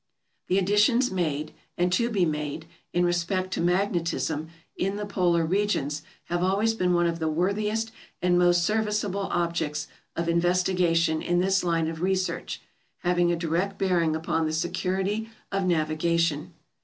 The additions made, and to be made, in respect to magnetism, in the polar regions have always been one of the worthiest and most serviceable objects of investigation in this line of research, having a direct bearing upon the security of navigation.